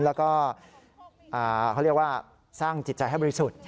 แล้วก็เขาเรียกว่าสร้างจิตใจให้บริสุทธิ์